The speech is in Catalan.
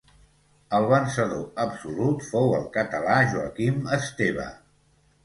El vencedor absolut fou el català Joaquim Esteve.